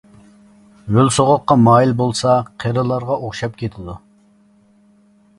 ھۆل سوغۇققا مايىل بولسا، قېرىلارغا ئوخشاپ كېتىدۇ.